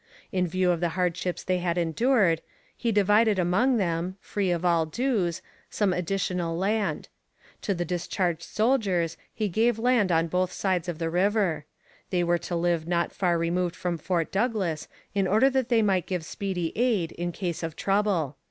In view of the hardships they had endured, he divided among them, free of all dues, some additional land. To the discharged soldiers he gave land on both sides of the river. They were to live not far removed from Fort Douglas, in order that they might give speedy aid in case of trouble.